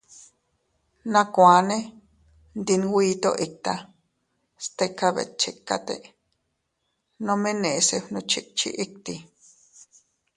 Nakuanne ndi nwito itta, stika betchikate, nome neʼese gnuchikchi itti.